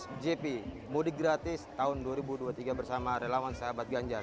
mojp mudik gratis tahun dua ribu dua puluh tiga bersama relawan sahabat ganjar